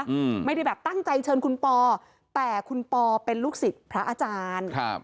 อืมไม่ได้แบบตั้งใจเชิญคุณปอแต่คุณปอเป็นลูกศิษย์พระอาจารย์ครับ